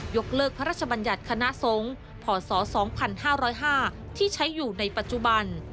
กเลิกพระราชบัญญัติคณะสงฆ์พศ๒๕๐๕ที่ใช้อยู่ในปัจจุบัน